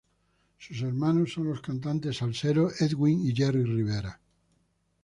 Sus hermanos son los cantantes salseros Edwin y Jerry Rivera.